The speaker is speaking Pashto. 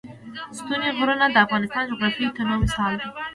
ستوني غرونه د افغانستان د جغرافیوي تنوع مثال دی.